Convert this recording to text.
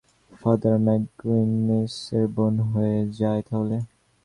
Father McGuinness এর বোন হয়ে যায় তাহলে!